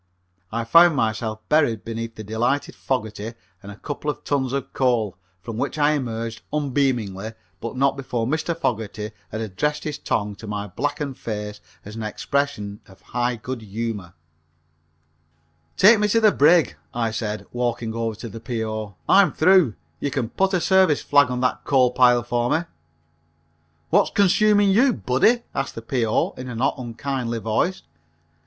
I found myself buried beneath the delighted Fogerty and a couple of tons of coal, from which I emerged unbeamingly, but not before Mr. Fogerty had addressed his tongue to my blackened face as an expression of high good humor. [Illustration: "FOGERTY CAME BEARING DOWN ON ME IN A CLOUD OF DUST"] "Take me to the brig," I said, walking over to the P.O., "I'm through. You can put a service flag on that coal pile for me." "What's consuming you, buddy?" asked the P.O. in not an unkindly voice.